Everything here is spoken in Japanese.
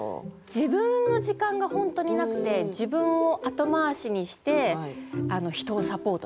自分の時間が本当になくて自分を後回しにして人をサポートする。